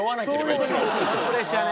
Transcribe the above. プレッシャーね。